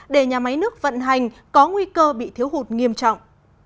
để nhà máy nước vận hành có nguy cơ bị thiếu hụt nghiêm trọng